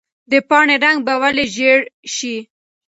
د پاڼې رنګ به ولې ژېړ شي؟